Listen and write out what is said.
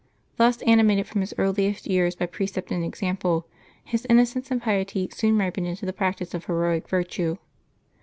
Thus animated from his earliest years by precept and example, his innocence and piety soon ripened into the practice of heroic virtue.